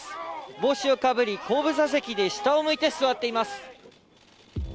帽子をかぶり、後部座席に下を向いて座っています。